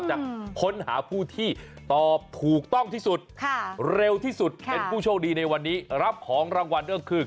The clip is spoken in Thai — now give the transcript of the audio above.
ช่วงดีในวันนี้รับของรางวัลก็คือ